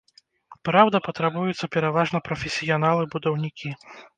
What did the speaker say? Праўда, патрабуюцца пераважна прафесіяналы-будаўнікі.